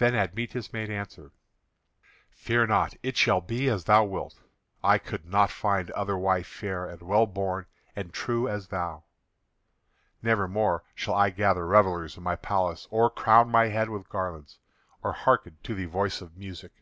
Then Admetus made answer: "Fear not, it shall be as thou wilt. I could not find other wife fair and well born and true as thou. Never more shall I gather revellers in my palace, or crown my head with garlands, or hearken to the voice of music.